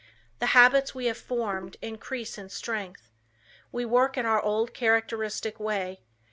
The habits we have formed increase in strength. We work in our old characteristic way.